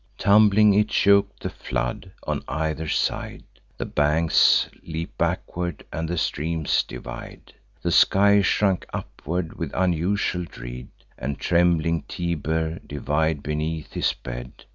Tumbling, it chok'd the flood: on either side The banks leap backward, and the streams divide; The sky shrunk upward with unusual dread, And trembling Tiber div'd beneath his bed.